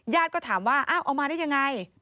ญาติก็ถามว่าเอามาได้ยังไง